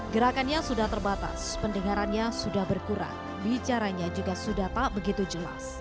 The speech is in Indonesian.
gerakannya sudah terbatas pendengarannya sudah berkurang bicaranya juga sudah tak begitu jelas